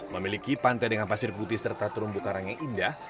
memiliki pantai dengan pasir putih serta terumbu karang yang indah